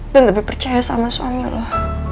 dan lebih percaya sama suami lo